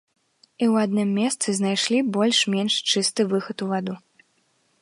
І ў адным месцы знайшлі больш-менш чысты выхад у ваду.